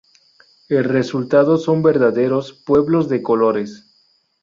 El resultado son verdaderos "pueblos de colores.